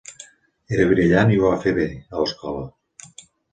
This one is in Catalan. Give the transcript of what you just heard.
Era brillant i ho va fer bé a l'escola.